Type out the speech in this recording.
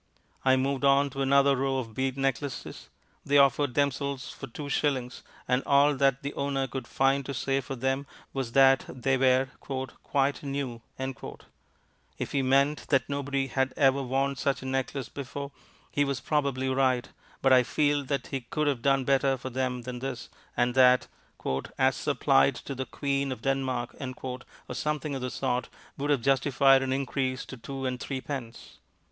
I moved on to another row of bead necklaces. They offered themselves for two shillings, and all that the owner could find to say for them was that they were "Quite New." If he meant that nobody had ever worn such a necklace before, he was probably right, but I feel that he could have done better for them than this, and that, "As supplied to the Queen of Denmark," or something of the sort, would have justified an increase to two and threepence.